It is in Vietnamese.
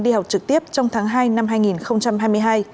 đi học trực tiếp trong tháng hai năm hai nghìn hai mươi hai